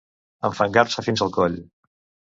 Enfangar-se fins al coll.